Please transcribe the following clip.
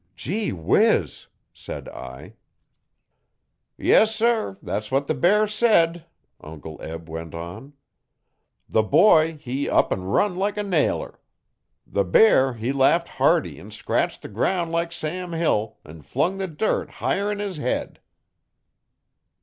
'Gee whiz!' said I. 'Yessir, that's what the bear said,' Uncle Eb went on. 'The boy he up 'n run like a nailer. The bear he laughed hearty 'n scratched the ground like Sam Hill, 'n flung the dirt higher'n his head.